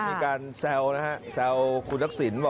มีการแซวนะฮะแซวคุณทักษิณบอก